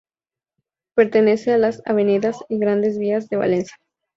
Pertenece a las avenidas y grandes vías de Valencia.